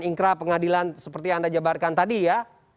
ingkra pengadilan seperti yang anda jabarkan tadi ya